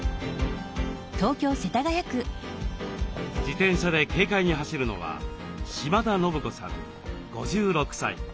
自転車で軽快に走るのは島田信子さん５６歳。